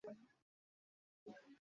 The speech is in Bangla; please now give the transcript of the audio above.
মসজিদের একমাত্র গম্বুজটি তামাটে রঙের।